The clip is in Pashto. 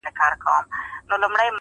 د زړه له درده شاعري کوومه ښه کوومه,